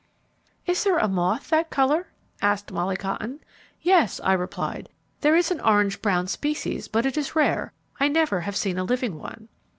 "Is there a moth that colour?" asked Molly Cotton. "Yes," I replied. "There is an orange brown species, but it is rare. I never have seen a living one."